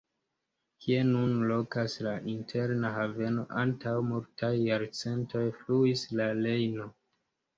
Kie nun lokas la Interna Haveno, antaŭ multaj jarcentoj fluis la Rejno.